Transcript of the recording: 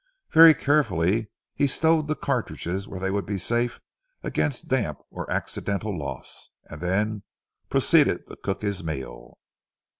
Very carefully he stowed the cartridges where they would be safe against damp or accidental loss, and then proceeded to cook his meal.